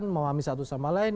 memahami satu sama lain